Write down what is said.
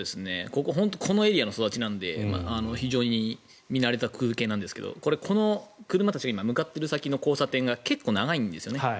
このエリアの育ちなので非常に見慣れた光景なんですけどこれ、この車たちが向かっている先の交差点が結構、長いんですよね。